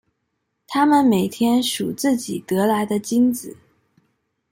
他们每天数自己得来的金子。